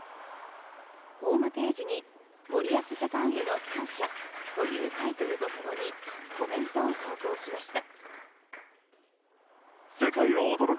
ホームページに森保ジャパンへの感謝というタイトルと共にコメントを投稿しました。